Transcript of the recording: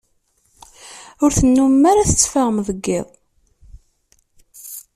Ur tennumem ara tetteffɣem deg iḍ.